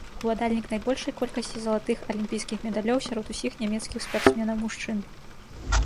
Уладальнік найбольшай колькасці залатых алімпійскіх медалёў сярод усіх нямецкіх спартсменаў-мужчын.